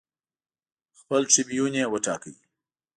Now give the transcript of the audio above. خپل ټربیون یې وټاکه